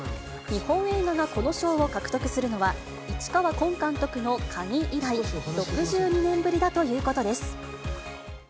日本映画がこの賞を獲得するのは、市川崑監督の鍵以来、６２年ぶりだということです。